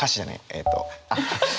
えっと。